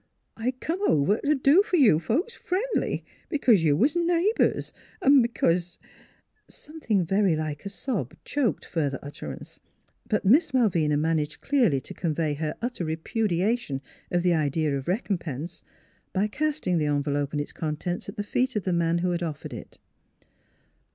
I come over t' do f'r you folks friendly, b'cause you was neigh bors 'n' b'cause " Something very like a sob choked further utter ance; but Miss Malvina managed clearly to con vey her utter repudiation of the idea of recom pense by casting the envelope and its contents at the feet of the man who had offered it.